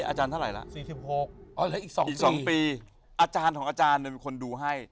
อาจารย์ของอาจารย์เนี่ยควรดูให้